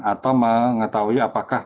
atau mengetahui apakah